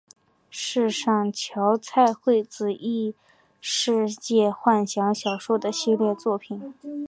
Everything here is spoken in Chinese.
是上桥菜穗子异世界幻想小说的系列作品。